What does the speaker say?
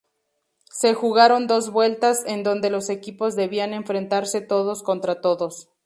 Se jugaron dos vueltas, en donde los equipos debían enfrentarse todos contra todos.